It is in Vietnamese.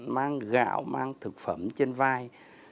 mang gạo mang thực phẩm trên vai